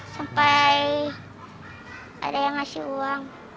sampai ada yang ngasih uang